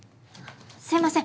すみません！